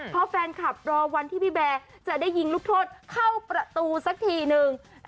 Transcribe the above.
เพราะแฟนคลับรอวันที่พี่แบร์จะได้ยิงลูกโทษเข้าประตูสักทีนึง